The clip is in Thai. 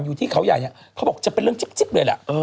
อยู่ที่เขาใหญ่เขาบอกจะเป็นเรื่องจิ๊บเลยอ่ะเออ